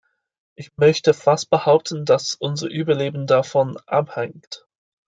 Ich möchte fast behaupten, dass unser Überleben davon abhängt.